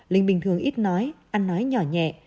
linh bình thường ít nói ăn nói nhỏ nhẹ